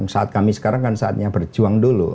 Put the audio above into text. saat kami sekarang kan saatnya berjuang dulu